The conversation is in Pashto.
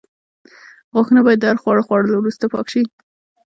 غاښونه باید د هر خواړو خوړلو وروسته پاک شي.